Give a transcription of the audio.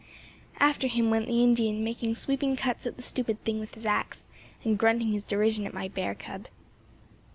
After him went the Indian, making sweeping cuts at the stupid thing with his ax, and grunting his derision at my bear cub.